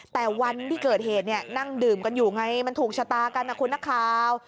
แต่วันที่เกิดเหตุเนี่ยนั่งดื่มกันอยู่ไงมันถูกชะตากันนะคุณนักข่าว